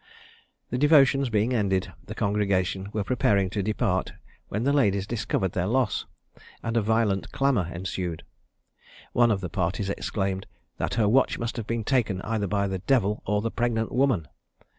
The devotions being ended, the congregation were preparing to depart, when the ladies discovered their loss, and a violent clamour ensued. One of the parties exclaimed "That her watch must have been taken either by the devil or the pregnant woman!"